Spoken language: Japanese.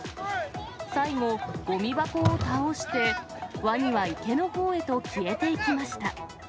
最後、ごみ箱を倒して、ワニは池のほうへと消えていきました。